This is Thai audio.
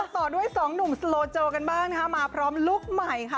ต่อด้วยสองหนุ่มสโลโจกันบ้างนะคะมาพร้อมลูกใหม่ค่ะ